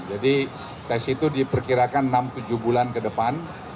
jadi tes itu diperkirakan enam tujuh bulan ke depan